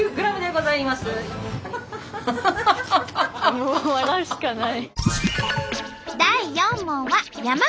もう笑うしかない。